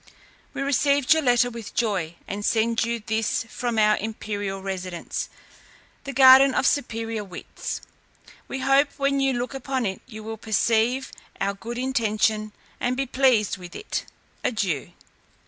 "We received your letter with joy, and send you this from our imperial residence, the garden of superior wits. We hope when you look upon it, you will perceive our good intention and be pleased with it. Adieu."